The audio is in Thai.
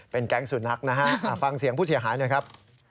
แก๊งสุนัขนะฮะฟังเสียงผู้เสียหายหน่อยครับ